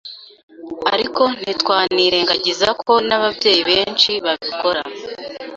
Ariko ntitwanirengagiza ko n’ababyeyi benshi babikora